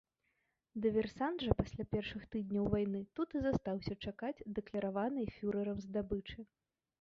Дыверсант жа пасля першых тыдняў вайны тут і застаўся чакаць дакляраванай фюрэрам здабычы.